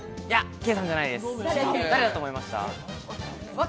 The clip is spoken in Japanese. Ｋさんじゃないです。